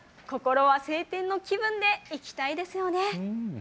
心は青天の気分でいきたいですね。